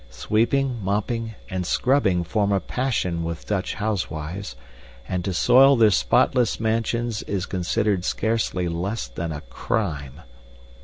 Sweeping, mopping, and scrubbing form a passion with Dutch housewives, and to soil their spotless mansions is considered scarcely less than a crime.